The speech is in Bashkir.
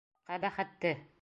Ҡәбәхәтте...